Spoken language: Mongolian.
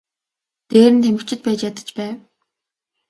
Дээр нь тамхичид байж ядаж байв.